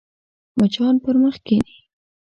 مچان پر مخ کښېني